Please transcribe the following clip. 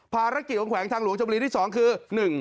ภารกิจของแขวงทางหลวงชมบุรีที่๒คือ